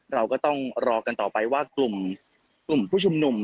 เราก็ต้องรอกันต่อไปว่ากลุ่มผู้ชุมนุม